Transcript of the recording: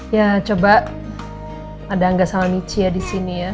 ya coba ada angga sama michi ya disini ya